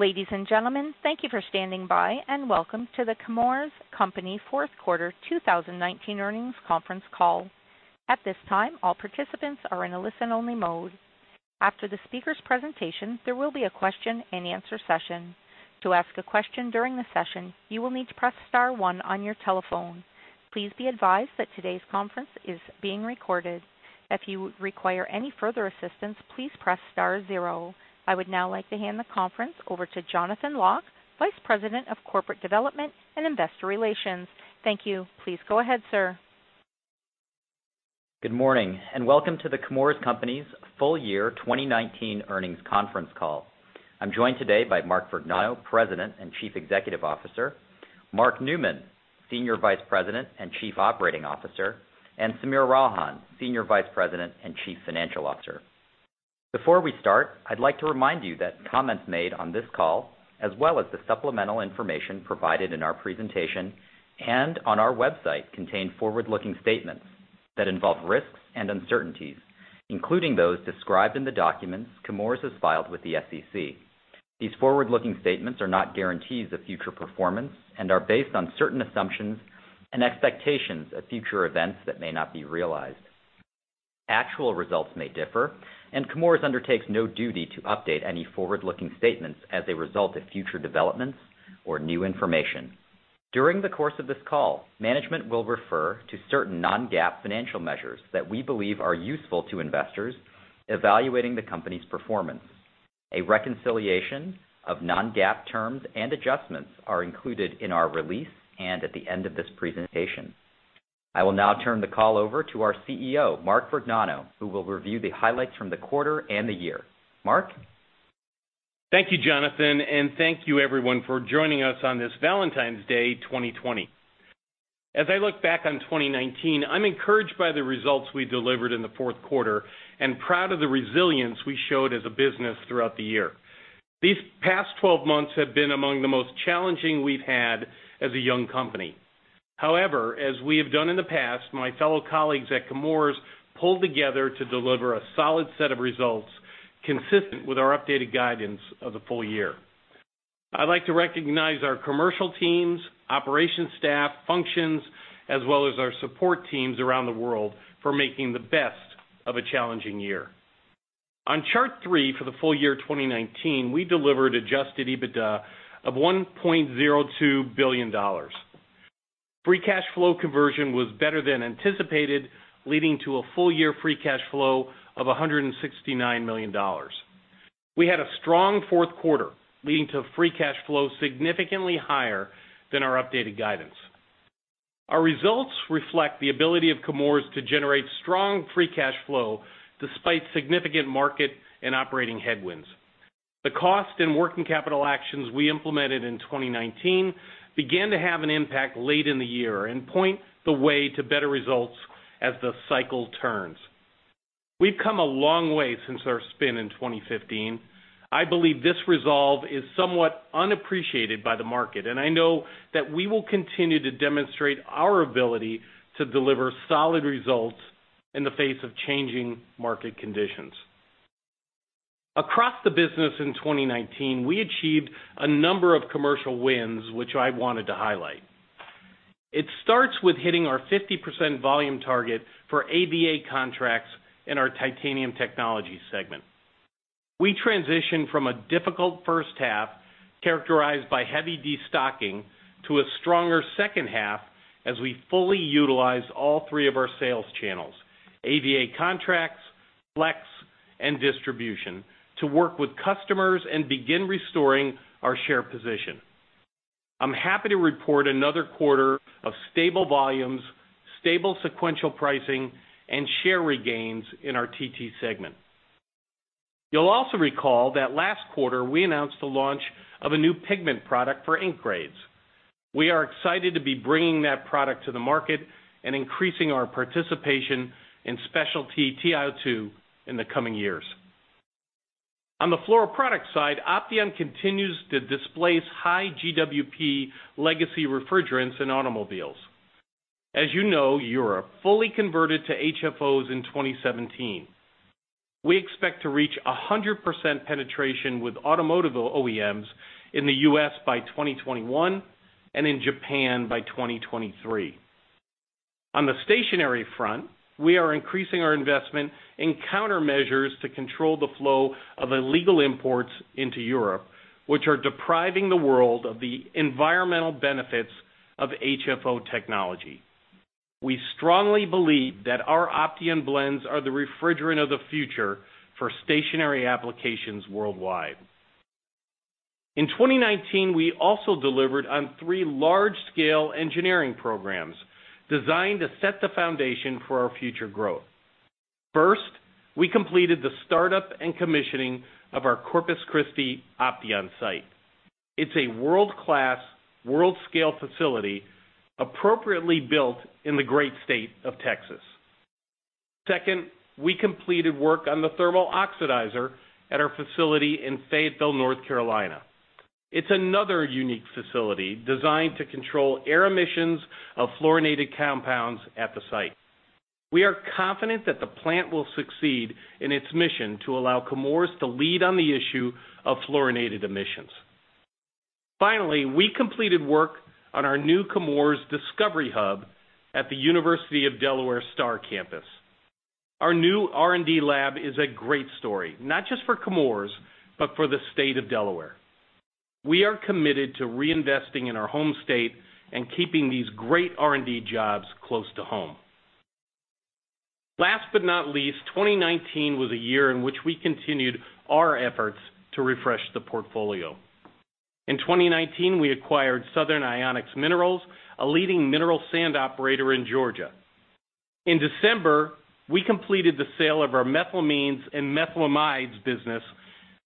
Ladies and gentlemen, thank you for standing by and welcome to The Chemours Company fourth quarter 2019 earnings conference call. At this time, all participants are in a listen-only mode. After the speaker's presentation, there will be a question and answer session. To ask a question during the session, you will need to press star one on your telephone. Please be advised that today's conference is being recorded. If you require any further assistance, please press star zero. I would now like to hand the conference over to Jonathan Lock, Vice President of Corporate Development and Investor Relations. Thank you. Please go ahead, sir. Good morning, and welcome to The Chemours Company's full year 2019 earnings conference call. I'm joined today by Mark Vergnano, President and Chief Executive Officer, Mark Newman, Senior Vice President and Chief Operating Officer, and Sameer Ralhan, Senior Vice President and Chief Financial Officer. Before we start, I'd like to remind you that comments made on this call, as well as the supplemental information provided in our presentation and on our website, contain forward-looking statements that involve risks and uncertainties, including those described in the documents The Chemours Company has filed with the SEC. These forward-looking statements are not guarantees of future performance and are based on certain assumptions and expectations of future events that may not be realized. Actual results may differ, and The Chemours Company undertakes no duty to update any forward-looking statements as a result of future developments or new information. During the course of this call, management will refer to certain non-GAAP financial measures that we believe are useful to investors evaluating the company's performance. A reconciliation of non-GAAP terms and adjustments are included in our release and at the end of this presentation. I will now turn the call over to our CEO, Mark Vergnano, who will review the highlights from the quarter and the year. Mark? Thank you, Jonathan, and thank you, everyone, for joining us on this Valentine's Day 2020. As I look back on 2019, I'm encouraged by the results we delivered in the fourth quarter and proud of the resilience we showed as a business throughout the year. These past 12 months have been among the most challenging we've had as a young company. However, as we have done in the past, my fellow colleagues at The Chemours Company pulled together to deliver a solid set of results consistent with our updated guidance of the full year. I'd like to recognize our commercial teams, operations staff, functions, as well as our support teams around the world for making the best of a challenging year. On chart three for the full year 2019, we delivered adjusted EBITDA of $1.02 billion. Free cash flow conversion was better than anticipated, leading to a full-year free cash flow of $169 million. We had a strong fourth quarter, leading to free cash flow significantly higher than our updated guidance. Our results reflect the ability of The Chemours Company to generate strong free cash flow despite significant market and operating headwinds. The cost and working capital actions we implemented in 2019 began to have an impact late in the year and point the way to better results as the cycle turns. We've come a long way since our spin in 2015. I believe this resolve is somewhat unappreciated by the market, and I know that we will continue to demonstrate our ability to deliver solid results in the face of changing market conditions. Across the business in 2019, we achieved a number of commercial wins, which I wanted to highlight. It starts with hitting our 50% volume target for AVA contracts in our Titanium Technologies segment. We transitioned from a difficult first half, characterized by heavy destocking, to a stronger second half as we fully utilized all three of our sales channels, AVA contracts, flex, and distribution, to work with customers and begin restoring our share position. I'm happy to report another quarter of stable volumes, stable sequential pricing, and share regains in our Titanium Technologies segment. You'll also recall that last quarter we announced the launch of a new pigment product for ink grades. We are excited to be bringing that product to the market and increasing our participation in specialty TiO2 in the coming years. On the Fluoroproducts side, Opteon continues to displace high GWP legacy refrigerants in automobiles. As you know, Europe fully converted to HFOs in 2017. We expect to reach 100% penetration with automotive OEMs in the U.S. by 2021 and in Japan by 2023. On the stationary front, we are increasing our investment in countermeasures to control the flow of illegal imports into Europe, which are depriving the world of the environmental benefits of HFO technology. We strongly believe that our Opteon blends are the refrigerant of the future for stationary applications worldwide. In 2019, we also delivered on three large-scale engineering programs designed to set the foundation for our future growth. First, we completed the startup and commissioning of our Corpus Christi Opteon site. It's a world-class, world-scale facility appropriately built in the great state of Texas. Second, we completed work on the thermal oxidizer at our facility in Fayetteville, North Carolina. It's another unique facility designed to control air emissions of fluorinated compounds at the site. We are confident that the plant will succeed in its mission to allow The Chemours Company to lead on the issue of fluorinated emissions. Finally, we completed work on our new The Chemours Company Discovery Hub at the University of Delaware Star Campus. Our new R&D lab is a great story, not just for The Chemours Company, but for the state of Delaware. We are committed to reinvesting in our home state and keeping these great R&D jobs close to home. Last but not least, 2019 was a year in which we continued our efforts to refresh the portfolio. In 2019, we acquired Southern Ionics Minerals, a leading mineral sand operator in Georgia. In December, we completed the sale of our methylamines and methylamides business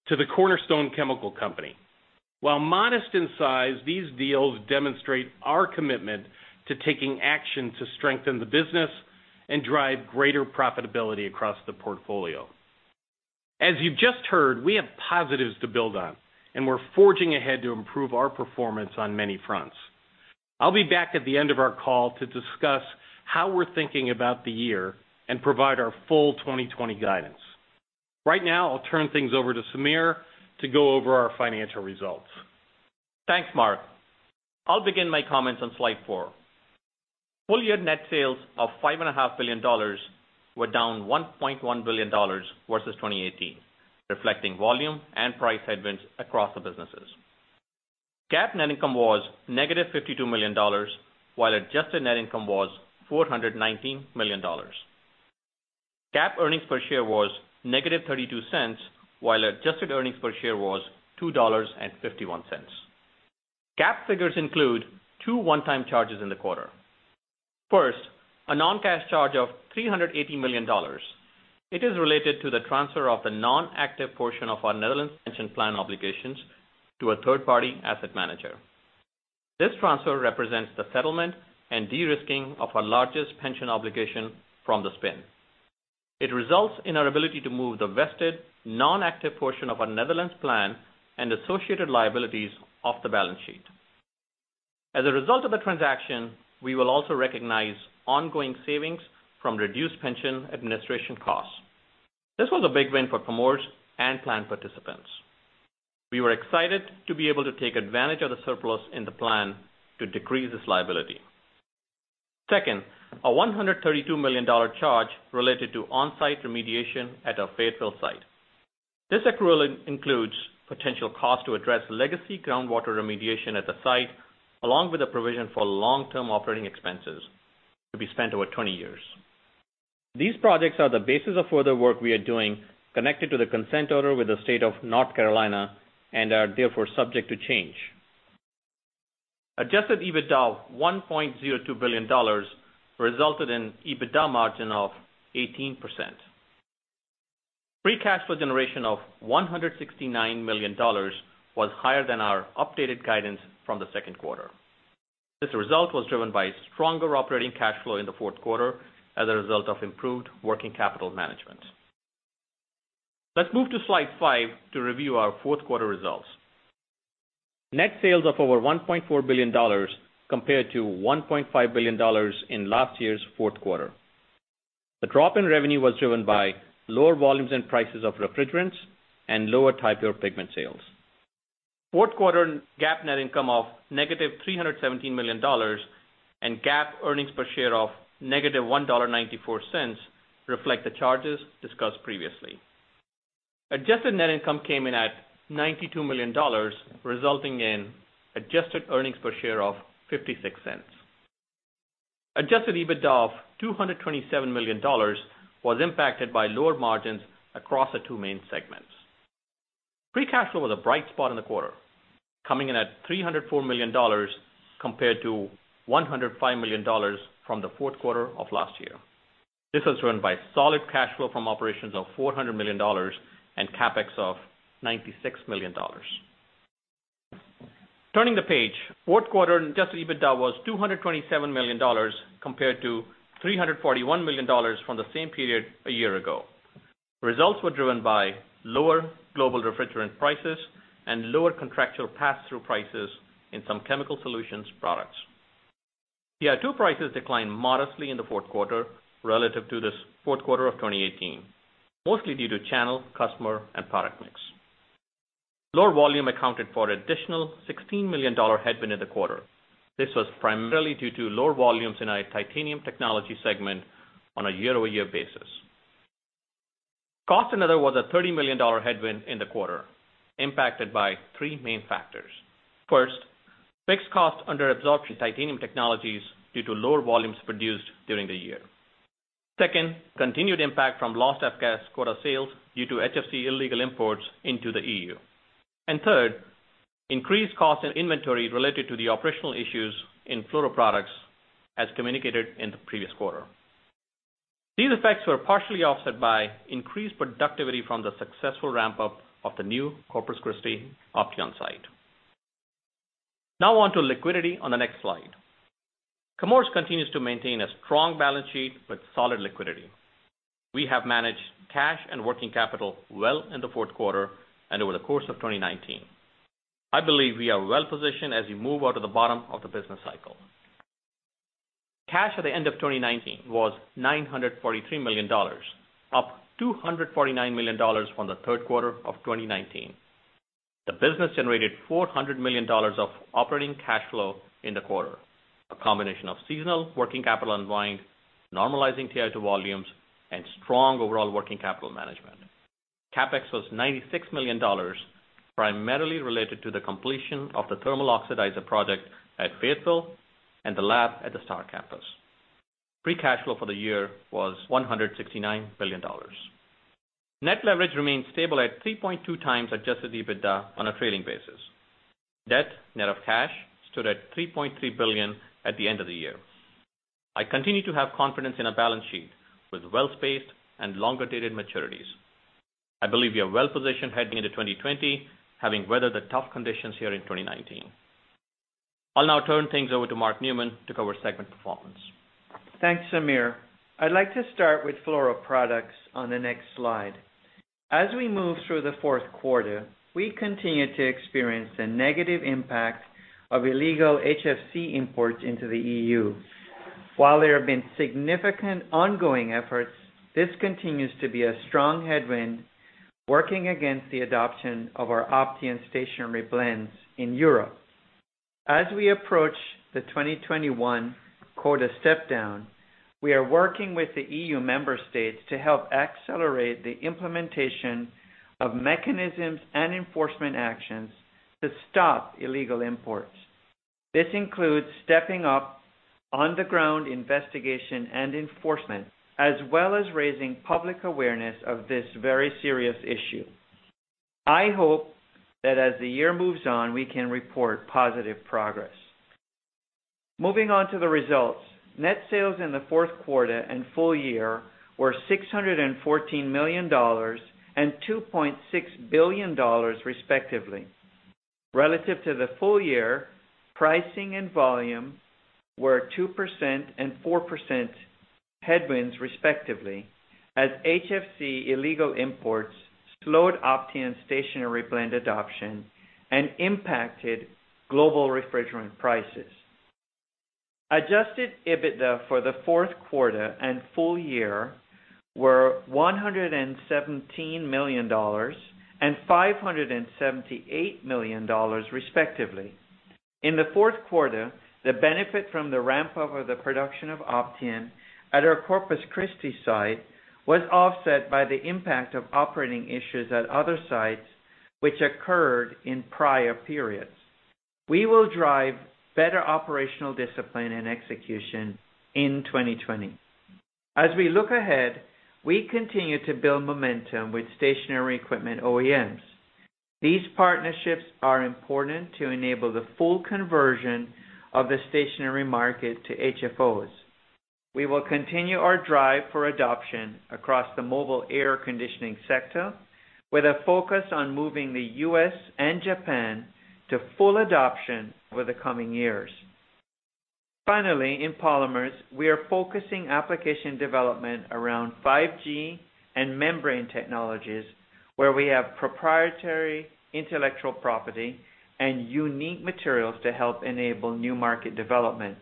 to the Cornerstone Chemical Company. While modest in size, these deals demonstrate our commitment to taking action to strengthen the business and drive greater profitability across the portfolio. As you've just heard, we have positives to build on, and we're forging ahead to improve our performance on many fronts. I'll be back at the end of our call to discuss how we're thinking about the year and provide our full 2020 guidance. Right now, I'll turn things over to Sameer to go over our financial results. Thanks, Mark. I'll begin my comments on slide four. Full-year net sales of $5.5 billion were down $1.1 billion versus 2018, reflecting volume and price headwinds across the businesses. GAAP net income was -$52 million, while adjusted net income was $419 million. GAAP earnings per share was -$0.32, while adjusted earnings per share was $2.51. GAAP figures include two one-time charges in the quarter. First, a non-cash charge of $380 million. It is related to the transfer of the non-active portion of our Netherlands pension plan obligations to a third-party asset manager. This transfer represents the settlement and de-risking of our largest pension obligation from the spin. It results in our ability to move the vested, non-active portion of our Netherlands plan and associated liabilities off the balance sheet. As a result of the transaction, we will also recognize ongoing savings from reduced pension administration costs. This was a big win for The Chemours Company and plan participants. We were excited to be able to take advantage of the surplus in the plan to decrease this liability. A $132 million charge related to on-site remediation at our Fayetteville site. This accrual includes potential cost to address legacy groundwater remediation at the site, along with a provision for long-term operating expenses to be spent over 20 years. These projects are the basis of further work we are doing connected to the consent order with the state of North Carolina and are therefore subject to change. Adjusted EBITDA of $1.02 billion resulted in EBITDA margin of 18%. Free cash flow generation of $169 million was higher than our updated guidance from the second quarter. This result was driven by stronger operating cash flow in the fourth quarter as a result of improved working capital management. Let's move to slide five to review our fourth quarter results. Net sales of over $1.4 billion compared to $1.5 billion in last year's fourth quarter. The drop in revenue was driven by lower volumes and prices of refrigerants and lower titania pigment sales. Fourth quarter GAAP net income of -$317 million and GAAP earnings per share of -$1.94 reflect the charges discussed previously. Adjusted net income came in at $92 million, resulting in adjusted earnings per share of $0.56. Adjusted EBITDA of $227 million was impacted by lower margins across the two main segments. Free cash flow was a bright spot in the quarter, coming in at $304 million compared to $105 million from the fourth quarter of last year. This was driven by solid cash flow from operations of $400 million and CapEx of $96 million. Turning the page, fourth quarter adjusted EBITDA was $227 million, compared to $341 million from the same period a year ago. Results were driven by lower global refrigerant prices and lower contractual pass-through prices in some Chemical Solutions products. TiO2 prices declined modestly in the fourth quarter relative to the fourth quarter of 2018, mostly due to channel, customer, and product mix. Lower volume accounted for additional $16 million headwind in the quarter. This was primarily due to lower volumes in our Titanium Technologies segment on a year-over-year basis. Cost in other was a $30 million headwind in the quarter, impacted by three main factors. First, fixed cost under absorption Titanium Technologies due to lower volumes produced during the year. Second, continued impact from lost F-gas quota sales due to HFC illegal imports into the EU. Third, increased cost in inventory related to the operational issues in Fluoroproducts as communicated in the previous quarter. These effects were partially offset by increased productivity from the successful ramp-up of the new Corpus Christi Opteon site. Now on to liquidity on the next slide. The Chemours Company continues to maintain a strong balance sheet with solid liquidity. We have managed cash and working capital well in the fourth quarter and over the course of 2019. I believe we are well-positioned as we move out of the bottom of the business cycle. Cash at the end of 2019 was $943 million, up $249 million from the third quarter of 2019. The business generated $400 million of operating cash flow in the quarter, a combination of seasonal working capital unwind, normalizing TiO2 volumes, and strong overall working capital management. CapEx was $96 million, primarily related to the completion of the thermal oxidizer project at Fayetteville and the lab at the Star Campus. Free cash flow for the year was $169 million. Net leverage remains stable at 3.2 times adjusted EBITDA on a trailing basis. Debt, net of cash, stood at $3.3 billion at the end of the year. I continue to have confidence in our balance sheet with well-spaced and longer-dated maturities. I believe we are well-positioned heading into 2020, having weathered the tough conditions here in 2019. I'll now turn things over to Mark Newman to cover segment performance. Thanks, Sameer. I'd like to start with Fluoroproducts on the next slide. As we move through the fourth quarter, we continue to experience the negative impact of illegal HFC imports into the EU. While there have been significant ongoing efforts, this continues to be a strong headwind, working against the adoption of our Opteon stationary blends in Europe. As we approach the 2021 quota step down, we are working with the EU member states to help accelerate the implementation of mechanisms and enforcement actions to stop illegal imports. This includes stepping up on-the-ground investigation and enforcement, as well as raising public awareness of this very serious issue. I hope that as the year moves on, we can report positive progress. Moving on to the results. Net sales in the fourth quarter and full year were $614 million and $2.6 billion, respectively. Relative to the full year, pricing and volume were 2% and 4% headwinds, respectively, as HFC illegal imports slowed Opteon stationary blend adoption and impacted global refrigerant prices. Adjusted EBITDA for the fourth quarter and full year were $117 million and $578 million, respectively. In the fourth quarter, the benefit from the ramp-up of the production of Opteon at our Corpus Christi site was offset by the impact of operating issues at other sites which occurred in prior periods. We will drive better operational discipline and execution in 2020. As we look ahead, we continue to build momentum with stationary equipment OEMs. These partnerships are important to enable the full conversion of the stationary market to HFOs. We will continue our drive for adoption across the mobile air conditioning sector with a focus on moving the U.S. and Japan to full adoption over the coming years. Finally, in polymers, we are focusing application development around 5G and membrane technologies, where we have proprietary intellectual property and unique materials to help enable new market development.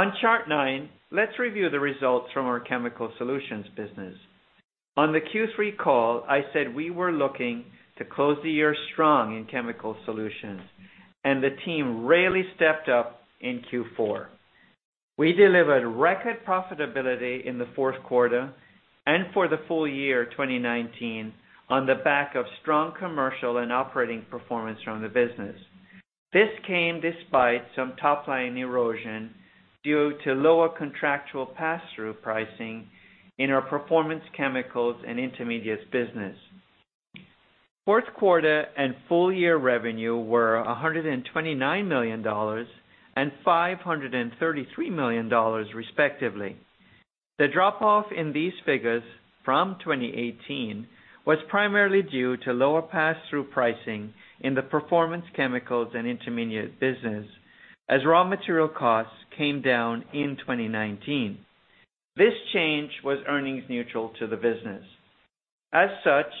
On chart nine, let's review the results from our Chemical Solutions business. On the Q3 call, I said we were looking to close the year strong in Chemical Solutions, and the team really stepped up in Q4. We delivered record profitability in the fourth quarter and for the full year 2019 on the back of strong commercial and operating performance from the business. This came despite some top-line erosion due to lower contractual pass-through pricing in our performance chemicals and intermediates business. Fourth quarter and full year revenue were $129 million and $533 million, respectively. The drop-off in these figures from 2018 was primarily due to lower pass-through pricing in the performance chemicals and intermediate business as raw material costs came down in 2019. This change was earnings neutral to the business. As such,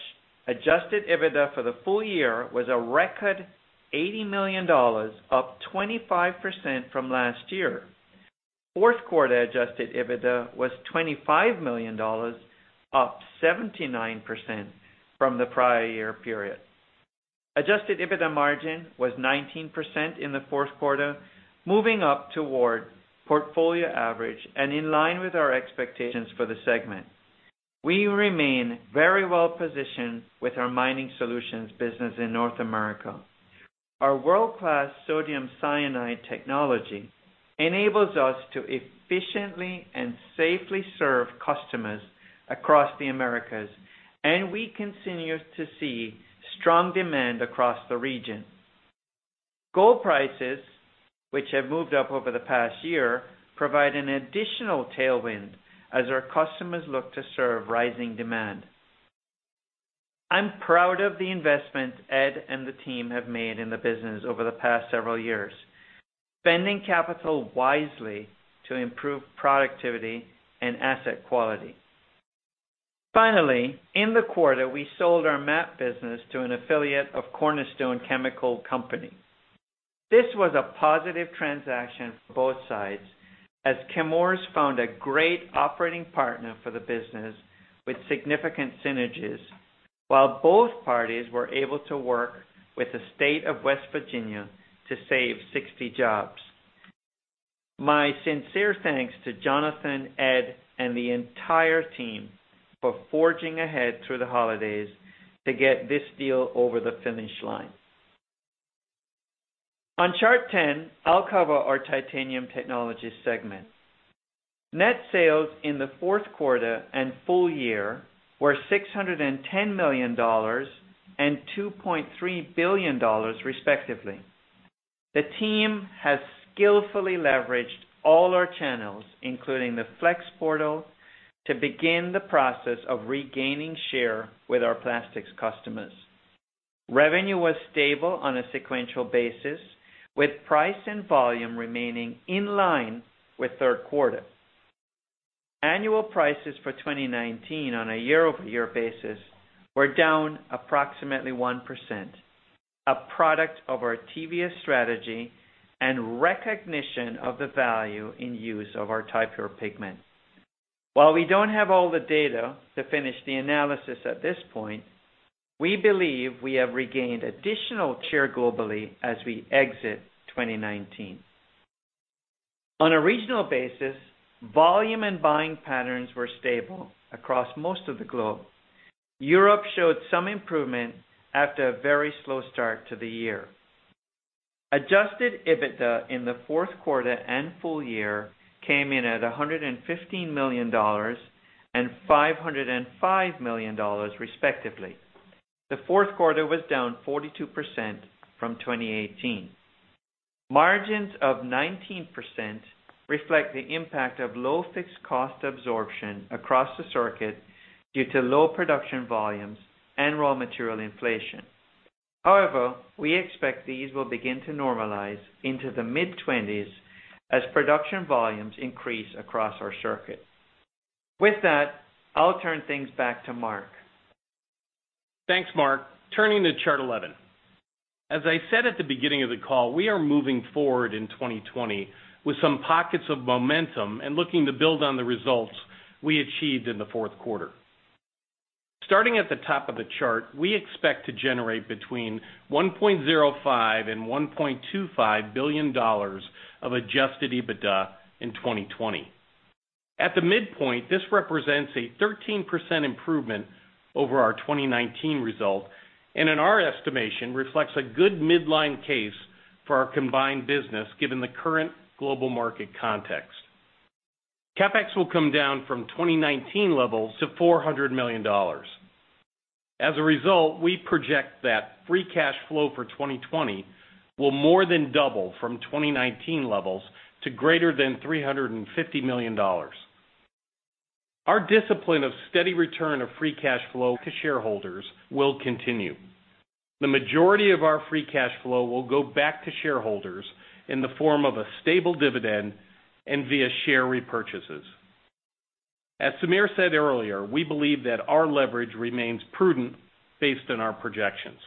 adjusted EBITDA for the full year was a record $80 million, up 25% from last year. Fourth quarter adjusted EBITDA was $25 million, up 79% from the prior year period. Adjusted EBITDA margin was 19% in the fourth quarter, moving up toward portfolio average and in line with our expectations for the segment. We remain very well positioned with our Mining Solutions business in North America. Our world-class sodium cyanide technology enables us to efficiently and safely serve customers across the Americas, and we continue to see strong demand across the region. Gold prices, which have moved up over the past year, provide an additional tailwind as our customers look to serve rising demand. I'm proud of the investment Ed and the team have made in the business over the past several years, spending capital wisely to improve productivity and asset quality. In the quarter, we sold our methylamines business to an affiliate of Cornerstone Chemical Company. This was a positive transaction for both sides, as The Chemours Company found a great operating partner for the business with significant synergies, while both parties were able to work with the state of West Virginia to save 60 jobs. My sincere thanks to Jonathan, Ed, and the entire team for forging ahead through the holidays to get this deal over the finish line. Chart 10, I'll cover our Titanium Technologies segment. Net sales in the fourth quarter and full year were $610 million and $2.3 billion respectively. The team has skillfully leveraged all our channels, including the Flex Portal, to begin the process of regaining share with our plastics customers. Revenue was stable on a sequential basis, with price and volume remaining in line with third quarter. Annual prices for 2019 on a year-over-year basis were down approximately 1%, a product of our TBS strategy and recognition of the value in use of our Ti-Pure pigment. While we don't have all the data to finish the analysis at this point, we believe we have regained additional share globally as we exit 2019. On a regional basis, volume and buying patterns were stable across most of the globe. Europe showed some improvement after a very slow start to the year. Adjusted EBITDA in the fourth quarter and full year came in at $115 million and $505 million respectively. The fourth quarter was down 42% from 2018. Margins of 19% reflect the impact of low fixed cost absorption across the circuit due to low production volumes and raw material inflation. However, we expect these will begin to normalize into the mid-20s as production volumes increase across our circuit. With that, I'll turn things back to Mark. Thanks, Mark. Turning to chart 11. As I said at the beginning of the call, we are moving forward in 2020 with some pockets of momentum and looking to build on the results we achieved in the fourth quarter. Starting at the top of the chart, we expect to generate between $1.05 and $1.25 billion of adjusted EBITDA in 2020. At the midpoint, this represents a 13% improvement over our 2019 result, in our estimation, reflects a good midline case for our combined business, given the current global market context. CapEx will come down from 2019 levels to $400 million. As a result, we project that free cash flow for 2020 will more than double from 2019 levels to greater than $350 million. Our discipline of steady return of free cash flow to shareholders will continue. The majority of our free cash flow will go back to shareholders in the form of a stable dividend and via share repurchases. As Sameer said earlier, we believe that our leverage remains prudent based on our projections.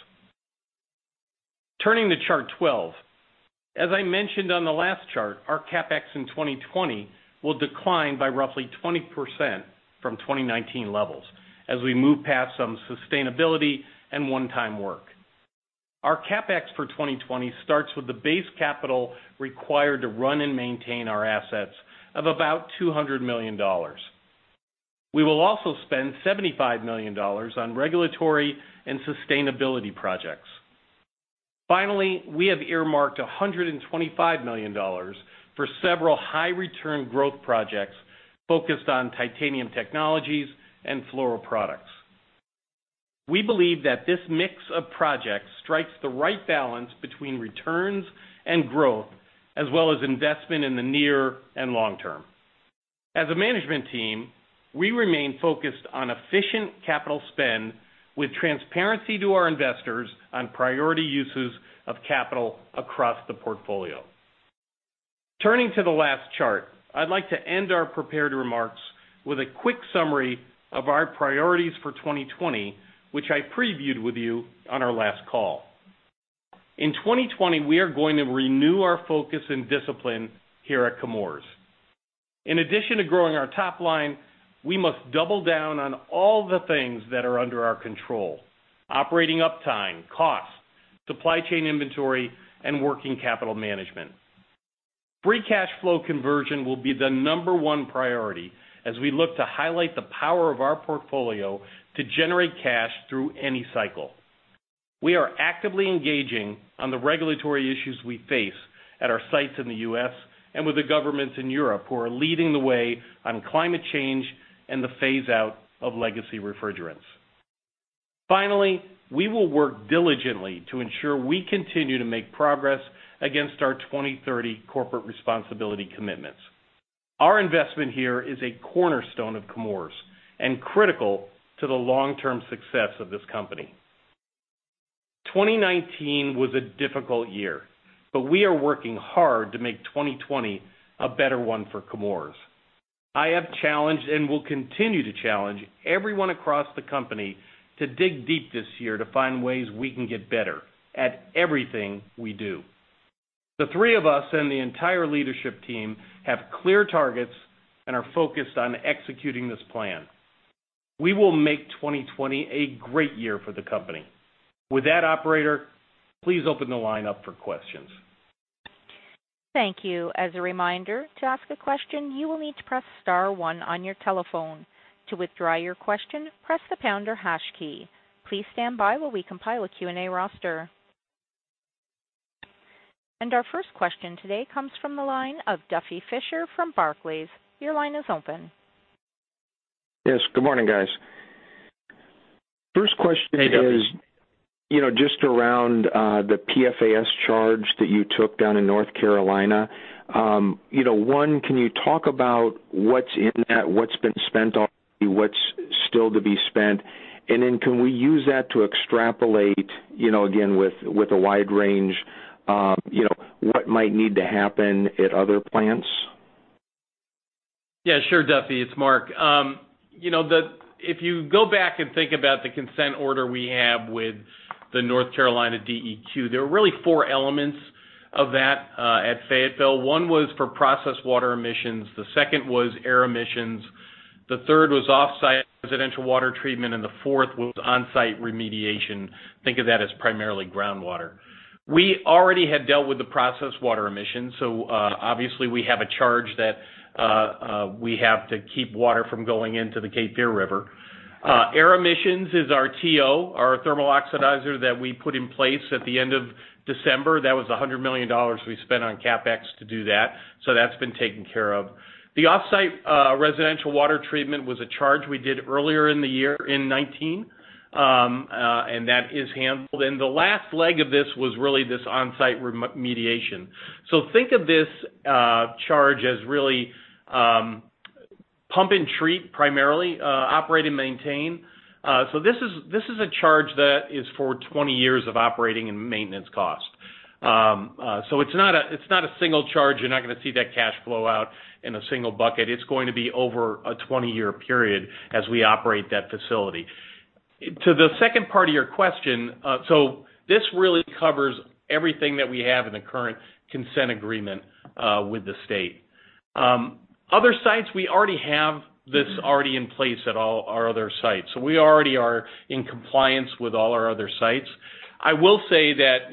Turning to chart 12. As I mentioned on the last chart, our CapEx in 2020 will decline by roughly 20% from 2019 levels as we move past some sustainability and one-time work. Our CapEx for 2020 starts with the base capital required to run and maintain our assets of about $200 million. We will also spend $75 million on regulatory and sustainability projects. Finally, we have earmarked $125 million for several high return growth projects focused on Titanium Technologies and Fluoroproducts. We believe that this mix of projects strikes the right balance between returns and growth, as well as investment in the near and long term. As a management team, we remain focused on efficient capital spend with transparency to our investors on priority uses of capital across the portfolio. Turning to the last chart, I'd like to end our prepared remarks with a quick summary of our priorities for 2020, which I previewed with you on our last call. In 2020, we are going to renew our focus and discipline here at The Chemours Company. In addition to growing our top line, we must double down on all the things that are under our control: operating uptime, cost, supply chain inventory, and working capital management. Free cash flow conversion will be the number one priority as we look to highlight the power of our portfolio to generate cash through any cycle. We are actively engaging on the regulatory issues we face at our sites in the U.S. and with the governments in Europe who are leading the way on climate change and the phase-out of legacy refrigerants. Finally, we will work diligently to ensure we continue to make progress against our 2030 corporate responsibility commitments. Our investment here is a cornerstone of The Chemours Company and critical to the long-term success of this company. 2019 was a difficult year, but we are working hard to make 2020 a better one for The Chemours Company. I have challenged and will continue to challenge everyone across the company to dig deep this year to find ways we can get better at everything we do. The three of us and the entire leadership team have clear targets and are focused on executing this plan. We will make 2020 a great year for the company. With that Operator, please open the line up for questions. Thank you. As a reminder, to ask a question, you will need to press star one on your telephone. To withdraw your question, press the pound or hash key. Please stand by while we compile a Q&A roster. Our first question today comes from the line of Duffy Fischer from Barclays. Your line is open. Yes. Good morning, guys. First question is- Hey, Duffy. Just around the PFAS charge that you took down in North Carolina, one, can you talk about what's in that, what's been spent on, what's still to be spent? Can we use that to extrapolate, again, with a wide range, what might need to happen at other plants? Yeah, sure, Duffy. It's Mark. If you go back and think about the consent order we have with the North Carolina DEQ, there were really four elements of that at Fayetteville. One was for process water emissions, the second was air emissions, the third was off-site residential water treatment, and the fourth was on-site remediation. Think of that as primarily groundwater. We already had dealt with the process water emissions, so obviously we have a charge that we have to keep water from going into the Cape Fear River. Air emissions is our TO, our thermal oxidizer that we put in place at the end of December. That was $100 million we spent on CapEx to do that. That's been taken care of. The off-site residential water treatment was a charge we did earlier in the year in 2019. That is handled. The last leg of this was really this on-site remediation. Think of this charge as really pump and treat primarily, operate and maintain. This is a charge that is for 20 years of operating and maintenance cost. It's not a single charge. You're not going to see that cash flow out in a single bucket. It's going to be over a 20-year period as we operate that facility. To the second part of your question, this really covers everything that we have in the current consent agreement with the state. Other sites, we already have this already in place at all our other sites. We already are in compliance with all our other sites. I will say that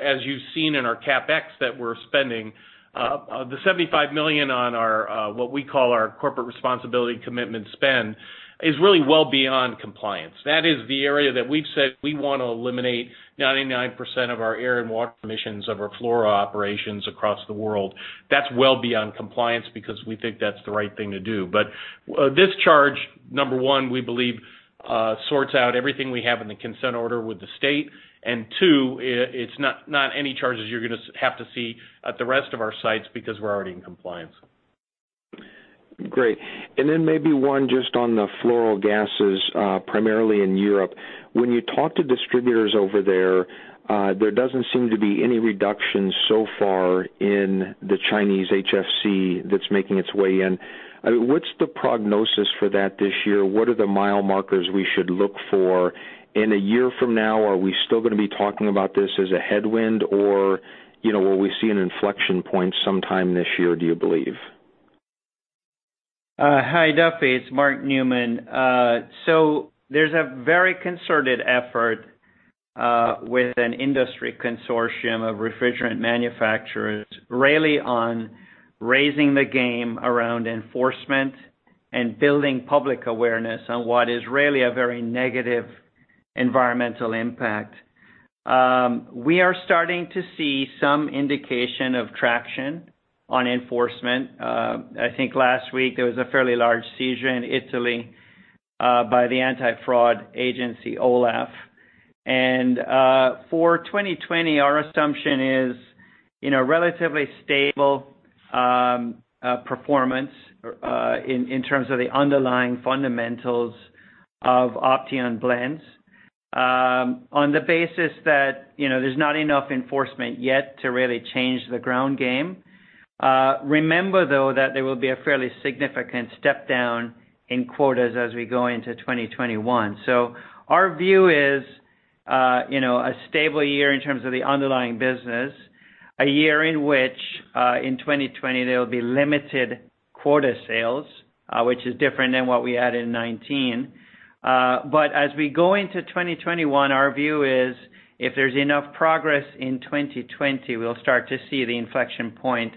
as you've seen in our CapEx that we're spending, the $75 million on our, what we call our corporate responsibility commitment spend is really well beyond compliance. That is the area that we've said we want to eliminate 99% of our air and water emissions of our fluoro operations across the world. That's well beyond compliance because we think that's the right thing to do. This charge, number one, we believe sorts out everything we have in the consent order with the state. Two, it's not any charges you're going to have to see at the rest of our sites because we're already in compliance. Maybe one just on the F-gases, primarily in Europe. When you talk to distributors over there doesn't seem to be any reduction so far in the Chinese HFC that's making its way in. What's the prognosis for that this year? What are the mile markers we should look for? In a year from now, are we still going to be talking about this as a headwind? Will we see an inflection point sometime this year, do you believe? Hi, Duffy. It's Mark Newman. There's a very concerted effort with an industry consortium of refrigerant manufacturers, really on raising the game around enforcement and building public awareness on what is really a very negative environmental impact. We are starting to see some indication of traction on enforcement. I think last week there was a fairly large seizure in Italy by the anti-fraud agency, OLAF. For 2020, our assumption is relatively stable performance in terms of the underlying fundamentals of Opteon blends on the basis that there's not enough enforcement yet to really change the ground game. Remember, though, that there will be a fairly significant step down in quotas as we go into 2021. Our view is a stable year in terms of the underlying business, a year in which in 2020 there will be limited quota sales, which is different than what we had in 2019. As we go into 2021, our view is if there's enough progress in 2020, we'll start to see the inflection point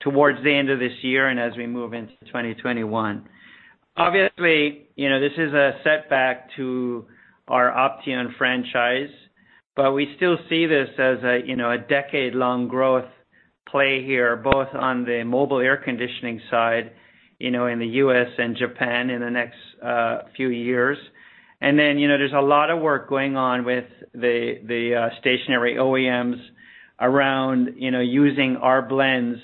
towards the end of this year and as we move into 2021. Obviously, this is a setback to our Opteon franchise, but we still see this as a decade-long growth play here, both on the mobile air conditioning side in the U.S. and Japan in the next few years. Then there's a lot of work going on with the stationary OEMs around using our blends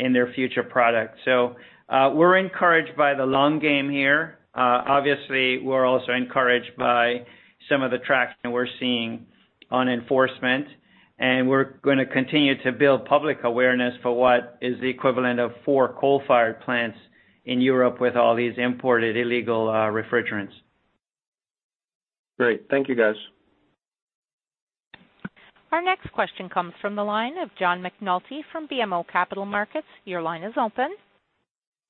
in their future products. We're encouraged by the long game here. Obviously, we're also encouraged by some of the traction we're seeing on enforcement, and we're going to continue to build public awareness for what is the equivalent of four coal-fired plants in Europe with all these imported illegal refrigerants. Great. Thank you, guys. Our next question comes from the line of John McNulty from BMO Capital Markets. Your line is open.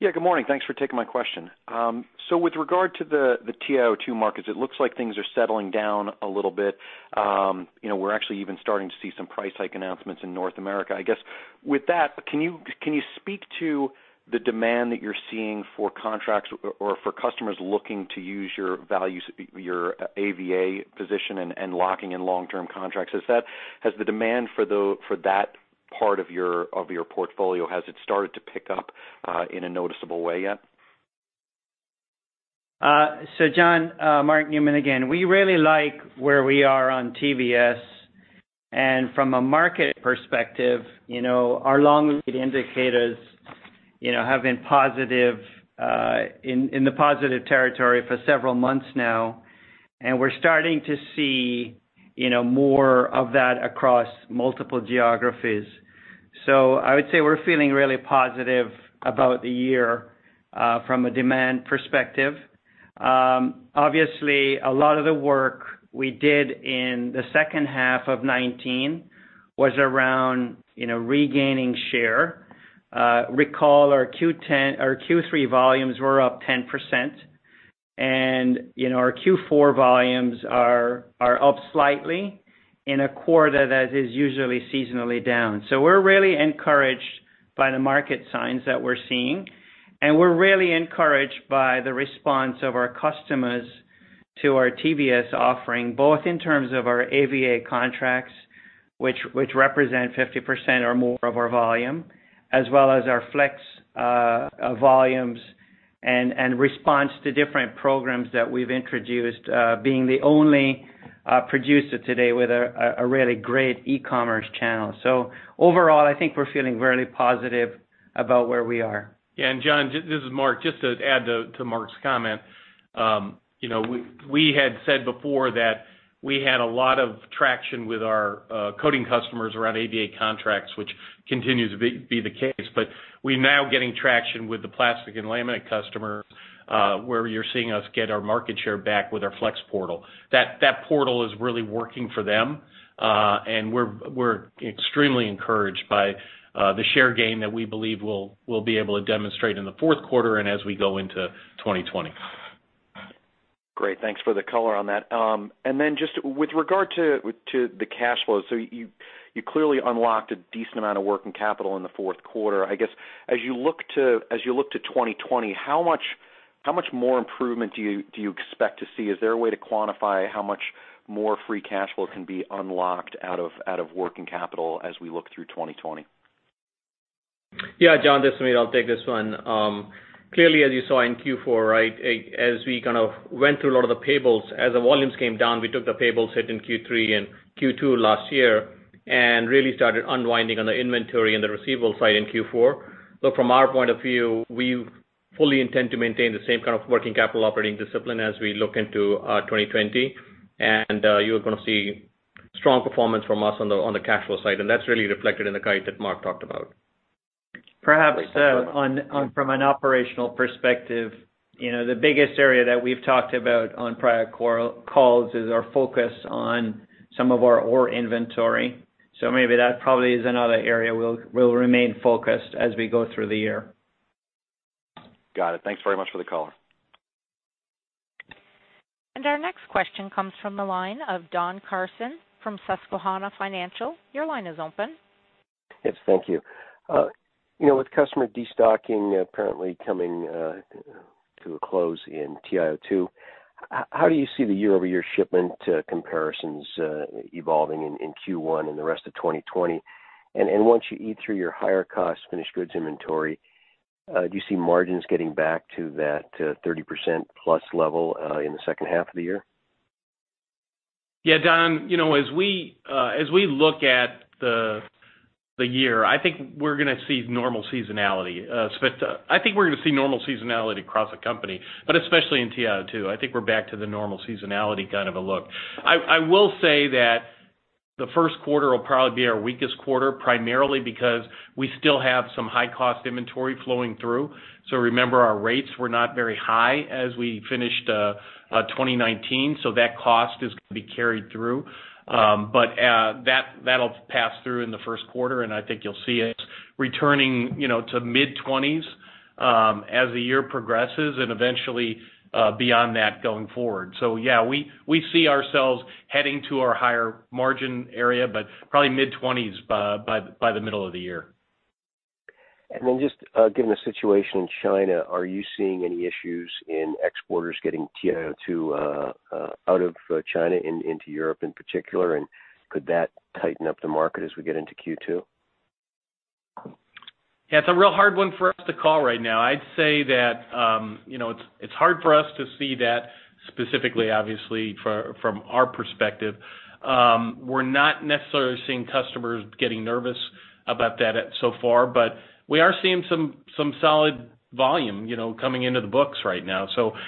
Yeah, good morning. Thanks for taking my question. With regard to the TiO2 markets, it looks like things are settling down a little bit. We're actually even starting to see some price hike announcements in North America. I guess with that, can you speak to the demand that you're seeing for contracts or for customers looking to use your values, your AVA position, and locking in long-term contracts? Has the demand for that part of your portfolio started to pick up in a noticeable way yet? John, Mark Newman again. We really like where we are on TBS, and from a market perspective, our long lead indicators have been in the positive territory for several months now, and we're starting to see more of that across multiple geographies. I would say we're feeling really positive about the year from a demand perspective. Obviously, a lot of the work we did in the second half of 2019 was around regaining share. Recall our Q3 volumes were up 10%, and our Q4 volumes are up slightly in a quarter that is usually seasonally down. We're really encouraged by the market signs that we're seeing, and we're really encouraged by the response of our customers to our TBS offering, both in terms of our AVA contracts, which represent 50% or more of our volume, as well as our flex volumes and response to different programs that we've introduced, being the only producer today with a really great e-commerce channel. Overall, I think we're feeling very positive about where we are. Yeah. John, this is Mark. Just to add to Mark's comment. We had said before that we had a lot of traction with our coating customers around AVA contracts, which continues to be the case, but we now getting traction with the plastic and laminate customer, where you're seeing us get our market share back with our Flex Portal. That Portal is really working for them. We're extremely encouraged by the share gain that we believe we'll be able to demonstrate in the fourth quarter and as we go into 2020. Great. Thanks for the color on that. Just with regard to the cash flows, you clearly unlocked a decent amount of working capital in the fourth quarter. I guess, as you look to 2020, how much more improvement do you expect to see? Is there a way to quantify how much more free cash flow can be unlocked out of working capital as we look through 2020? Yeah, John, this is Sameer. I'll take this one. Clearly, as you saw in Q4, right, as we kind of went through a lot of the payables, as the volumes came down, we took the payables hit in Q3 and Q2 last year and really started unwinding on the inventory and the receivable side in Q4. From our point of view, we fully intend to maintain the same kind of working capital operating discipline as we look into 2020. You're going to see strong performance from us on the cash flow side. That's really reflected in the guide that Mark talked about. Perhaps from an operational perspective, the biggest area that we've talked about on prior calls is our focus on some of our ore inventory. Maybe that probably is another area we'll remain focused as we go through the year. Got it. Thanks very much for the color. Our next question comes from the line of Don Carson from Susquehanna Financial. Your line is open. Yes, thank you. With customer de-stocking apparently coming to a close in TiO2, how do you see the year-over-year shipment comparisons evolving in Q1 and the rest of 2020? Once you eat through your higher cost finished goods inventory, do you see margins getting back to that 30%+ level in the second half of the year? Don, as we look at the year, I think we're going to see normal seasonality. Sveta. I think we're going to see normal seasonality across the company, but especially in TiO2. I think we're back to the normal seasonality kind of a look. I will say that the first quarter will probably be our weakest quarter, primarily because we still have some high-cost inventory flowing through. Remember, our rates were not very high as we finished 2019, so that cost is going to be carried through. That'll pass through in the first quarter, and I think you'll see it returning to mid-20s as the year progresses and eventually beyond that going forward. We see ourselves heading to our higher margin area, but probably mid-20s by the middle of the year. Just given the situation in China, are you seeing any issues in exporters getting TiO2 out of China into Europe in particular? Could that tighten up the market as we get into Q2? Yeah, it's a real hard one for us to call right now. I'd say that it's hard for us to see that specifically, obviously, from our perspective. We're not necessarily seeing customers getting nervous about that so far. We are seeing some solid volume coming into the books right now.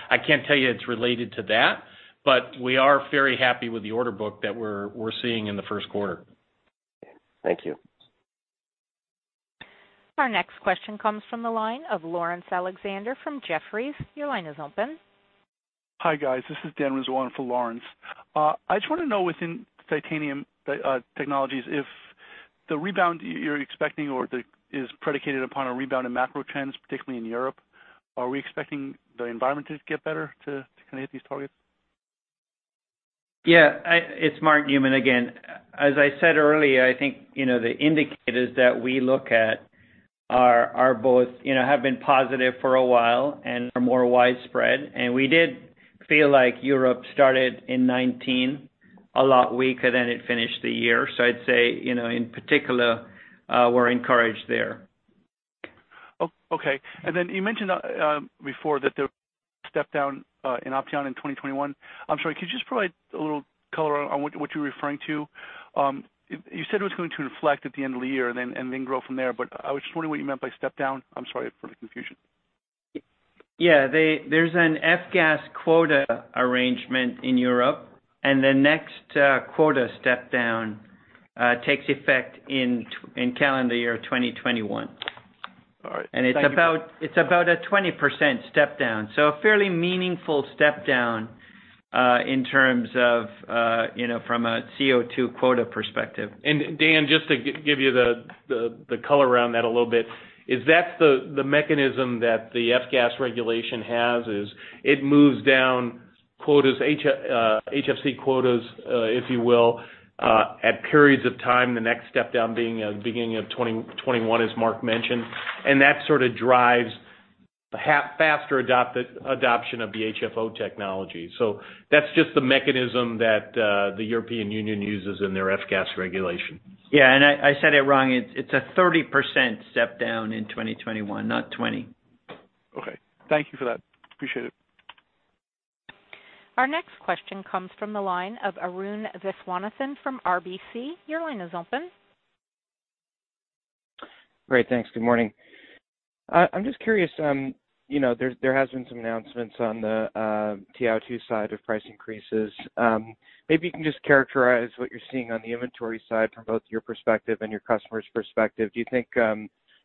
I can't tell you it's related to that, but we are very happy with the order book that we're seeing in the first quarter. Thank you. Our next question comes from the line of Laurence Alexander from Jefferies. Your line is open. Hi, guys. This is Daniel Rizzo for Laurence. I just want to know within Titanium Technologies if the rebound you're expecting, or that is predicated upon a rebound in macro trends, particularly in Europe, are we expecting the environment to get better to hit these targets? Yeah. It's Mark Newman again. As I said earlier, I think, the indicators that we look at have been positive for a while and are more widespread. We did feel like Europe started in 2019, a lot weaker than it finished the year. I'd say, in particular, we're encouraged there. Okay. You mentioned before that there was step down in Opteon in 2021. I'm sorry, could you just provide a little color on what you were referring to? You said it was going to reflect at the end of the year and then grow from there. I was just wondering what you meant by step down. I'm sorry for the confusion. Yeah. There's an F-gas quota arrangement in Europe. The next quota step down takes effect in calendar year 2021. All right. Thank you. It's about a 20% step down, so a fairly meaningful step down in terms of from a CO2 quota perspective. Dan, just to give you the color around that a little bit, is that's the mechanism that the F-gas Regulation has, is it moves down HFC quotas, if you will, at periods of time, the next step down being at the beginning of 2021, as Mark mentioned. That sort of drives faster adoption of the HFO technology. That's just the mechanism that the European Union uses in their F-gas Regulation. Yeah. I said it wrong. It's a 30% step down in 2021, not 2020. Okay. Thank you for that. Appreciate it. Our next question comes from the line of Arun Viswanathan from RBC. Your line is open. Great. Thanks. Good morning. I'm just curious. There has been some announcements on the TiO2 side of price increases. Maybe you can just characterize what you're seeing on the inventory side from both your perspective and your customers' perspective. Do you think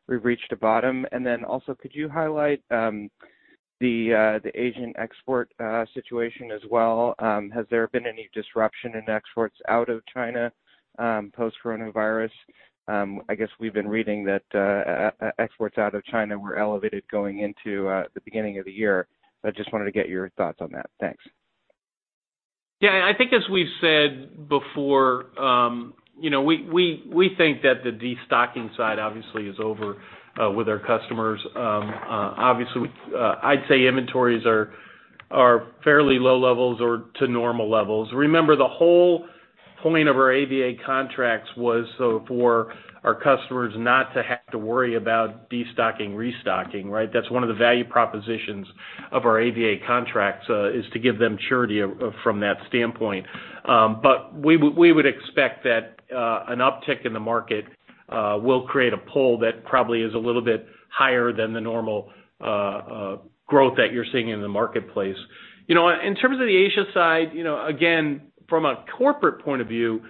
we've reached a bottom? Also, could you highlight the Asian export situation as well? Has there been any disruption in exports out of China, post-coronavirus? I guess we've been reading that exports out of China were elevated going into the beginning of the year. I just wanted to get your thoughts on that. Thanks. I think as we've said before, we think that the destocking side obviously is over with our customers. Obviously, I'd say inventories are fairly low levels or to normal levels. Remember, the whole point of our AVA contracts was so for our customers not to have to worry about destocking, restocking, right? That's one of the value propositions of our AVA contracts, is to give them surety from that standpoint. We would expect that an uptick in the market will create a pull that probably is a little bit higher than the normal growth that you're seeing in the marketplace. In terms of the Asia side, again, from a corporate point of view,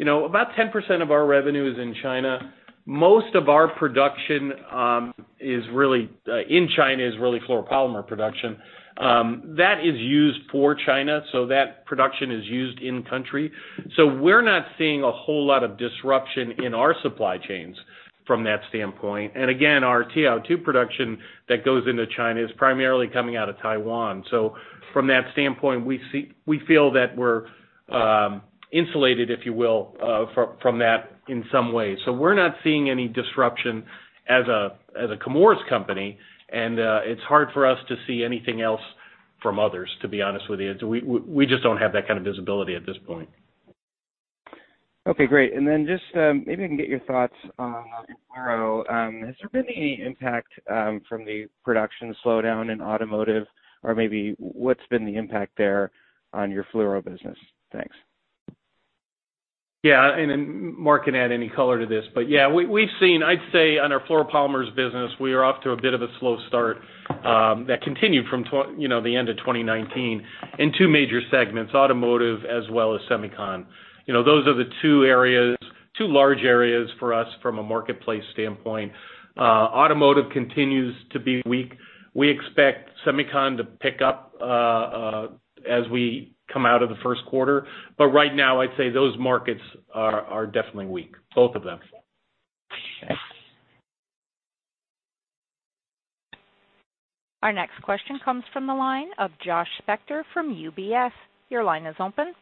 about 10% of our revenue is in China. Most of our production in China is really fluoropolymer production. That is used for China, so that production is used in country. We're not seeing a whole lot of disruption in our supply chains from that standpoint. Again, our TiO2 production that goes into China is primarily coming out of Taiwan. From that standpoint, we feel that we're insulated, if you will, from that in some ways. We're not seeing any disruption as The Chemours Company. It's hard for us to see anything else from others, to be honest with you. We just don't have that kind of visibility at this point. Okay, great. Just, maybe I can get your thoughts on Fluoro. Has there been any impact from the production slowdown in automotive? Or maybe what's been the impact there on your Fluoro business? Thanks. Yeah. Mark can add any color to this, but yeah, we've seen, I'd say on our fluoropolymers business, we are off to a bit of a slow start that continued from the end of 2019 in two major segments, automotive as well as semiconductor. Those are the two large areas for us from a marketplace standpoint. Automotive continues to be weak. We expect semiconductor to pick up as we come out of the first quarter. Right now, I'd say those markets are definitely weak, both of them. Thanks. Our next question comes from the line of Josh Spector from UBS. Your line is open.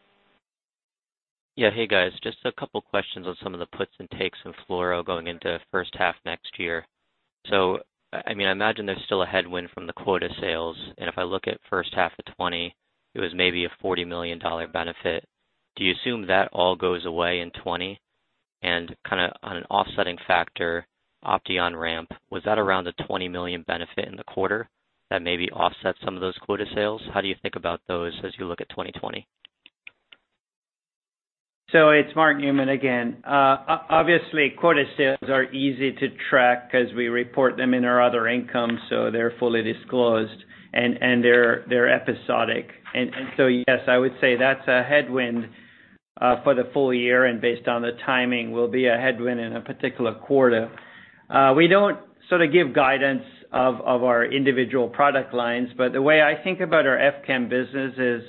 Yeah. Hey, guys, just a couple questions on some of the puts and takes of fluoro going into first half 2020. I imagine there's still a headwind from the quota sales, and if I look at first half of 2020, it was maybe a $40 million benefit. Do you assume that all goes away in 2020? On an offsetting factor, Opteon ramp, was that around a $20 million benefit in the quarter that maybe offsets some of those quota sales? How do you think about those as you look at 2020? It's Mark Newman again. Obviously, quota sales are easy to track because we report them in our other income, so they're fully disclosed, and they're episodic. Yes, I would say that's a headwind for the full year, and based on the timing, will be a headwind in a particular quarter. We don't give guidance of our individual product lines, but the way I think about our FCAM business is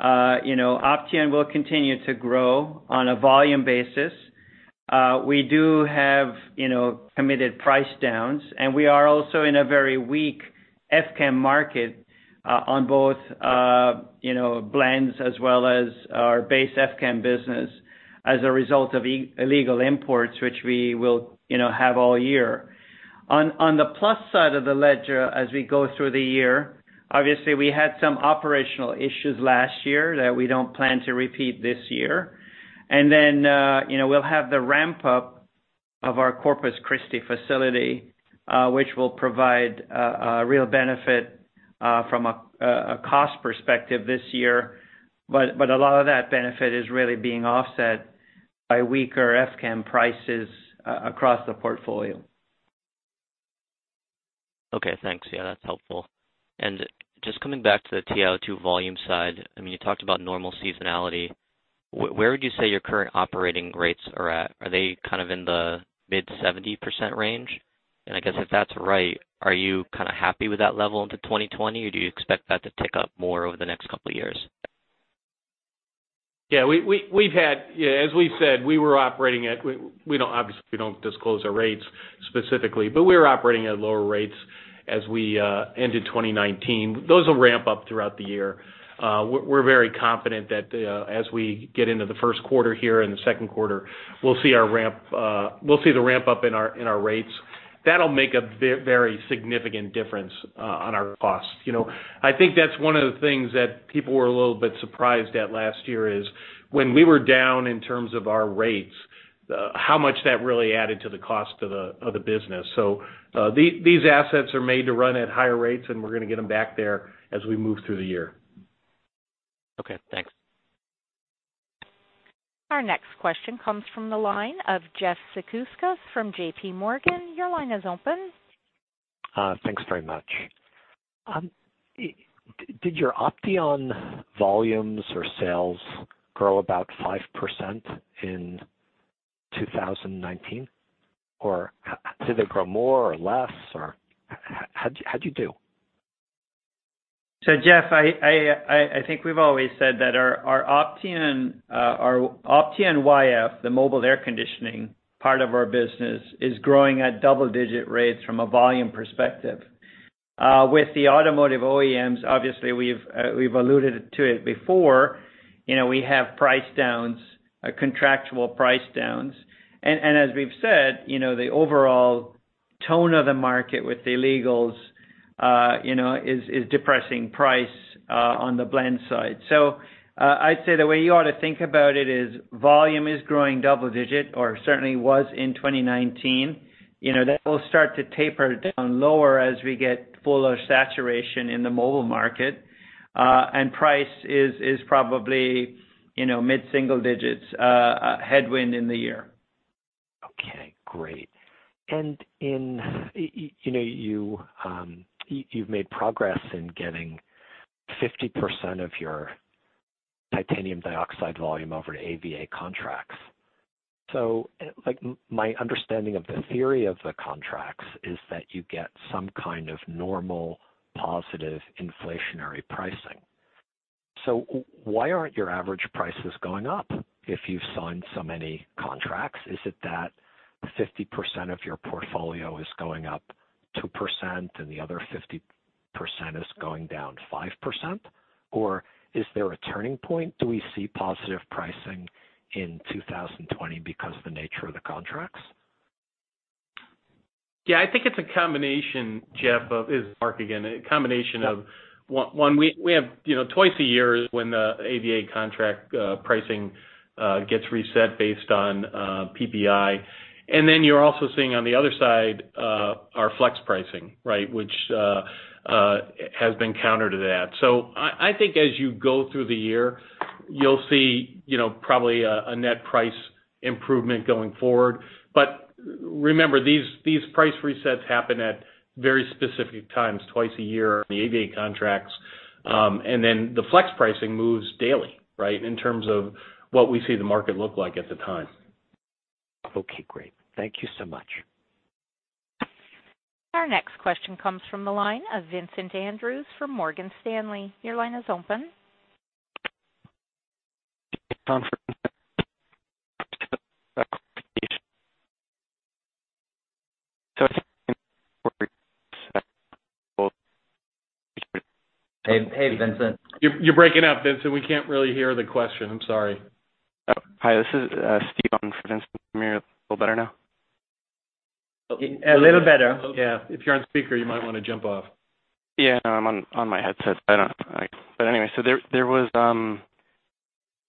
Opteon will continue to grow on a volume basis. We do have committed price downs, and we are also in a very weak FCAM market on both blends as well as our base FCAM business as a result of illegal imports, which we will have all year. On the plus side of the ledger, as we go through the year, obviously we had some operational issues last year that we don't plan to repeat this year. Then we'll have the ramp-up of our Corpus Christi facility, which will provide a real benefit from a cost perspective this year. A lot of that benefit is really being offset by weaker FCAM prices across the portfolio. Okay, thanks. Yeah, that's helpful. Just coming back to the TiO2 volume side, you talked about normal seasonality. Where would you say your current operating rates are at? Are they in the mid 70% range? I guess if that's right, are you happy with that level into 2020, or do you expect that to tick up more over the next couple of years? Yeah. As we've said, we were operating at obviously, we don't disclose our rates specifically, but we were operating at lower rates as we ended 2019. Those will ramp up throughout the year. We're very confident that as we get into the first quarter here and the second quarter, we'll see the ramp-up in our rates. That'll make a very significant difference on our cost. I think that's one of the things that people were a little bit surprised at last year is when we were down in terms of our rates, how much that really added to the cost of the business. These assets are made to run at higher rates, and we're going to get them back there as we move through the year. Okay, thanks. Our next question comes from the line of Jeff Zekauskas from J.P. Morgan. Your line is open. Thanks very much. Did your Opteon volumes or sales grow about 5% in 2019? Did they grow more or less, or how'd you do? Jeff, I think we've always said that our Opteon YF, the mobile air conditioning part of our business, is growing at double-digit rates from a volume perspective. With the automotive OEMs, obviously, we've alluded to it before, we have price downs, contractual price downs. As we've said, the overall tone of the market with the illegals is depressing price on the blend side. I'd say the way you ought to think about it is volume is growing double digit, or certainly was in 2019. That will start to taper down lower as we get fuller saturation in the mobile market. Price is probably mid-single digits headwind in the year. Okay, great. You've made progress in getting 50% of your titanium dioxide volume over to AVA contracts. My understanding of the theory of the contracts is that you get some kind of normal, positive inflationary pricing. Why aren't your average prices going up if you've signed so many contracts? Is it that 50% of your portfolio is going up 2% and the other 50% is going down 5%? Is there a turning point? Do we see positive pricing in 2020 because of the nature of the contracts? Yeah, I think it's a combination, Jeff. This is Mark again. A combination of, one, we have twice a year when the AVA contract pricing gets reset based on PPI. You're also seeing on the other side our flex pricing, which has been counter to that. I think as you go through the year, you'll see probably a net price improvement going forward. Remember, these price resets happen at very specific times, twice a year on the AVA contracts. The flex pricing moves daily in terms of what we see the market look like at the time. Okay, great. Thank you so much. Our next question comes from the line of Vincent Andrews from Morgan Stanley. Your line is open. Hey, Vincent. You're breaking up, Vincent. We can't really hear the question. I'm sorry. Oh, hi. This is Steve on for Vincent. Can you hear me a little better now? A little better. Yeah. If you're on speaker, you might want to jump off. Yeah, no, I'm on my headset. There was, on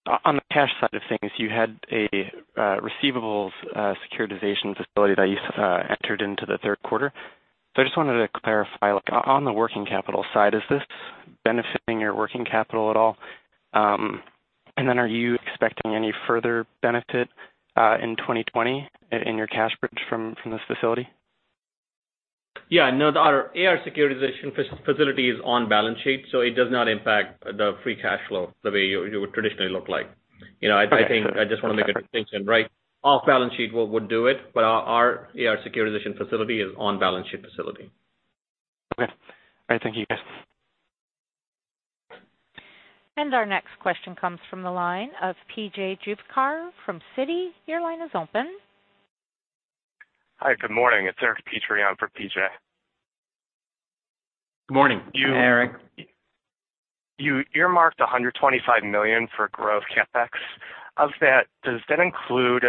the cash side of things, you had a receivables securitization facility that you entered into the third quarter. I just wanted to clarify, on the working capital side, is this benefiting your working capital at all? Are you expecting any further benefit in 2020 in your cash bridge from this facility? Yeah, no. Our AR securitization facility is on balance sheet, so it does not impact the free cash flow the way it would traditionally look like. I just want to make a distinction, right? Off balance sheet would do it, but our AR securitization facility is on balance sheet facility. Okay. All right. Thank you, guys. Our next question comes from the line of P.J. Juvekar from Citi. Your line is open. Hi. Good morning. It's Eric Petrie for P.J. Good morning. Hey, Eric. You earmarked $125 million for growth CapEx. Of that, does that include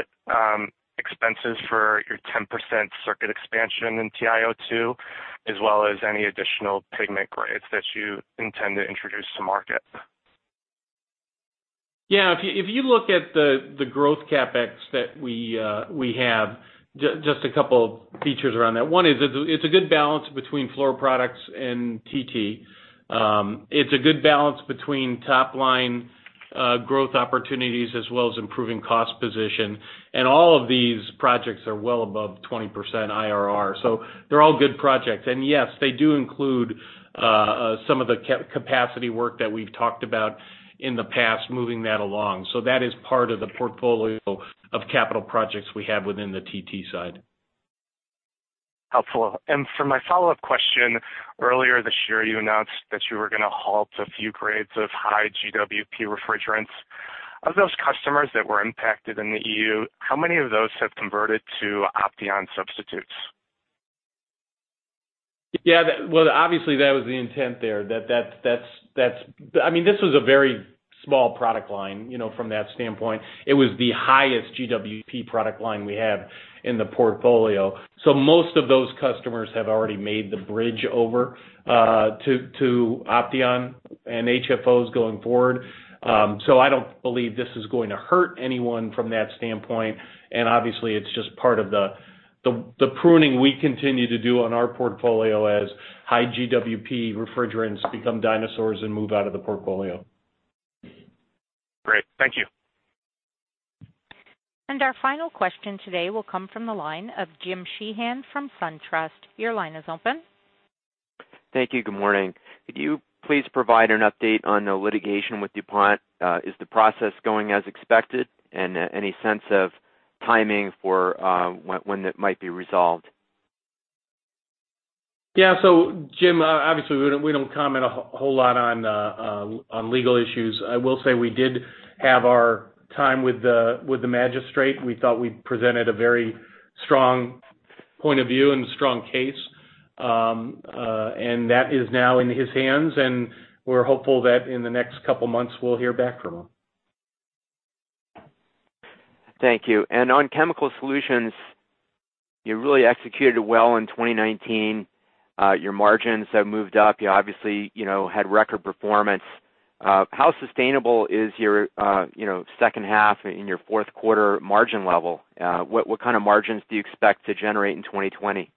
expenses for your 10% circuit expansion in TiO2, as well as any additional pigment grades that you intend to introduce to market? Yeah. If you look at the growth CapEx that we have, just a couple features around that. One is it's a good balance between Fluoroproducts and Titanium Technologies. It's a good balance between top-line growth opportunities as well as improving cost position. All of these projects are well above 20% IRR. They're all good projects. Yes, they do include some of the capacity work that we've talked about in the past, moving that along. That is part of the portfolio of capital projects we have within the Titanium Technologies side. Helpful. For my follow-up question, earlier this year, you announced that you were going to halt a few grades of high GWP refrigerants. Of those customers that were impacted in the EU, how many of those have converted to Opteon substitutes? Yeah. Well, obviously, that was the intent there. This was a very small product line from that standpoint. It was the highest GWP product line we have in the portfolio. Most of those customers have already made the bridge over to Opteon and HFOs going forward. I don't believe this is going to hurt anyone from that standpoint. Obviously, it's just part of the pruning we continue to do on our portfolio as high GWP refrigerants become dinosaurs and move out of the portfolio. Great. Thank you. Our final question today will come from the line of Jim Sheehan from SunTrust. Your line is open. Thank you. Good morning. Could you please provide an update on the litigation with DuPont? Is the process going as expected? Any sense of timing for when it might be resolved? Yeah. Jim, obviously, we don't comment a whole lot on legal issues. I will say we did have our time with the magistrate. We thought we presented a very strong point of view and a strong case. That is now in his hands, and we're hopeful that in the next couple of months, we'll hear back from him. Thank you. On Chemical Solutions, you really executed well in 2019. Your margins have moved up. You obviously had record performance. How sustainable is your second half in your fourth quarter margin level? What kind of margins do you expect to generate in 2020?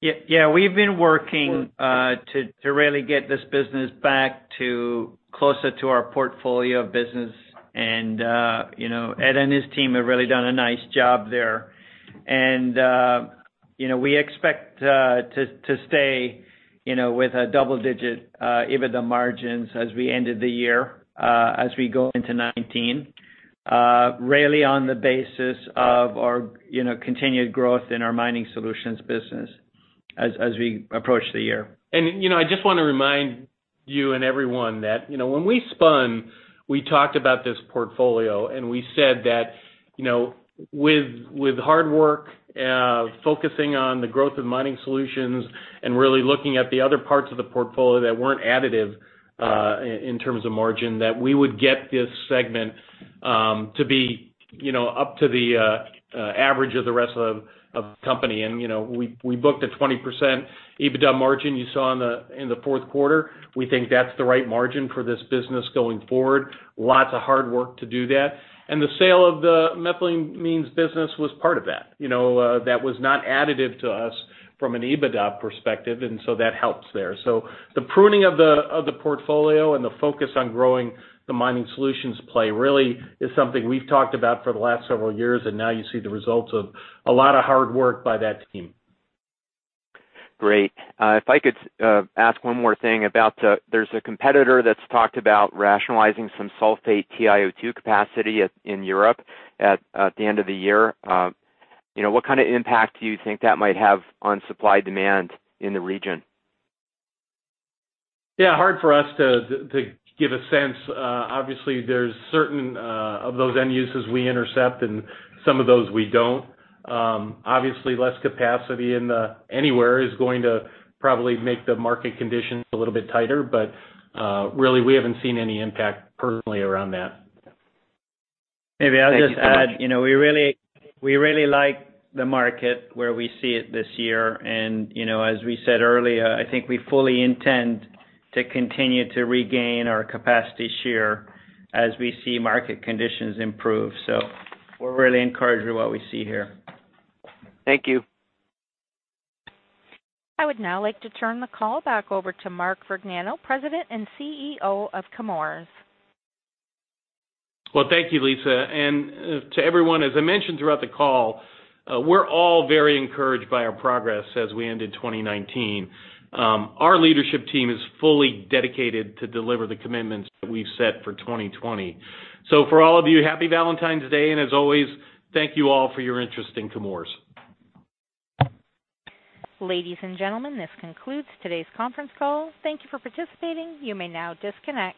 Yeah. We've been working to really get this business back to closer to our portfolio of business. Ed and his team have really done a nice job there. We expect to stay with a double-digit EBITDA margins as we ended the year, as we go into 2019, really on the basis of our continued growth in our Mining Solutions business as we approach the year. I just want to remind you and everyone that when we spun, we talked about this portfolio, and we said that with hard work, focusing on the growth of Mining Solutions, and really looking at the other parts of the portfolio that weren't additive in terms of margin, that we would get this segment to be up to the average of the rest of the company. We booked a 20% EBITDA margin you saw in the fourth quarter. We think that's the right margin for this business going forward. Lots of hard work to do that. The sale of the methylamines business was part of that. That was not additive to us from an EBITDA perspective, and so that helps there. The pruning of the portfolio and the focus on growing the Mining Solutions play really is something we've talked about for the last several years, and now you see the results of a lot of hard work by that team. Great. If I could ask one more thing about there's a competitor that's talked about rationalizing some sulfate TiO2 capacity in Europe at the end of the year. What kind of impact do you think that might have on supply demand in the region? Yeah, hard for us to give a sense. Obviously, there's certain of those end uses we intercept and some of those we don't. Obviously, less capacity anywhere is going to probably make the market conditions a little bit tighter. Really, we haven't seen any impact personally around that. Thank you so much. Maybe I'll just add, we really like the market where we see it this year. As we said earlier, I think we fully intend to continue to regain our capacity share as we see market conditions improve. We're really encouraged with what we see here. Thank you. I would now like to turn the call back over to Mark Vergnano, President and CEO of The Chemours Company. Well, thank you, Lisa, and to everyone. As I mentioned throughout the call, we're all very encouraged by our progress as we ended 2019. Our leadership team is fully dedicated to deliver the commitments that we've set for 2020. For all of you, Happy Valentine's Day, and as always, thank you all for your interest in The Chemours Company. Ladies and gentlemen, this concludes today's conference call. Thank you for participating. You may now disconnect.